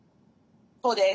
そうです。